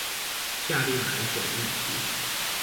下列哪一種物質